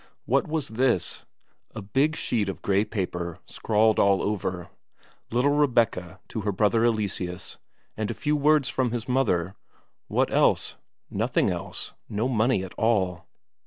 What was this? A big sheet of grey paper scrawled all over; little Rebecca to her brother Eleseus, and a few words from his mother. What else? Nothing else. No money at all.